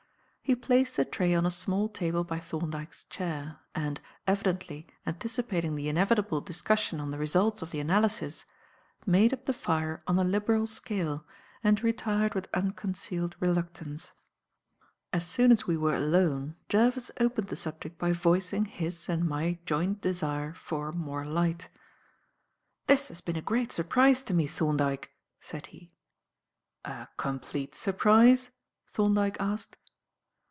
He placed the tray on a small table by Thorndyke's chair, and, evidently, anticipating the inevitable discussion on the results of the analysis, made up the fire on a liberal scale and retired with unconcealed reluctance. As soon as we were alone, Jervis opened the subject by voicing his and my joint desire for "more light." "This has been a great surprise to me, Thorndyke," said he. "A complete surprise?" Thorndyke asked.